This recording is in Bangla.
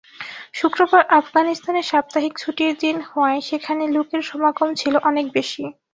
শুক্রবার আফগানিস্তানে সাপ্তাহিক ছুটির দিন হওয়ায় সেখানে লোকের সমাগম ছিল অনেক বেশি।